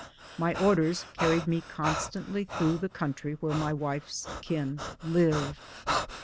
My orders carried me constantly through the country where my wife's kin lived.